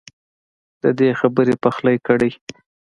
ددې خبر پخلی کړی